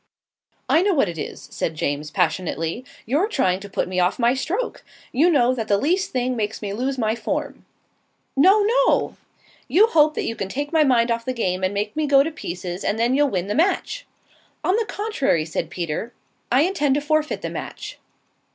"I know what it is," said James, passionately. "You're trying to put me off my stroke. You know that the least thing makes me lose my form." "No, no!" "You hope that you can take my mind off the game and make me go to pieces, and then you'll win the match." "On the contrary," said Peter. "I intend to forfeit the match."